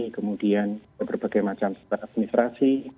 kemudian berbagai macam administrasi